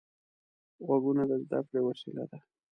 غوږونه د زده کړې وسیله ده